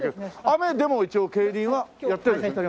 雨でも一応競輪はやってるんですね。